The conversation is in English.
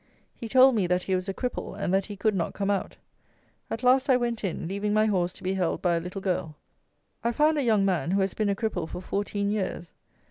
He told me that he was a cripple, and that he could not come out. At last I went in, leaving my horse to be held by a little girl. I found a young man, who has been a cripple for fourteen years.